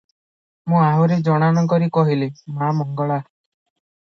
ମୁଁ ଆହୁରି ଜଣାଣ କରି କହିଲି, 'ମା ମଙ୍ଗଳା!